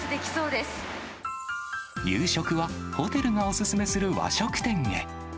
夕食は、ホテルがお勧めする和食店へ。